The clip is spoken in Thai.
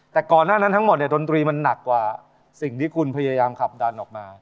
แต่ก่อนหน้านั้นทั้งหมดเนี่ยดนตรีมันหนักกว่าสิ่งที่คุณพยายามขับดันออกมา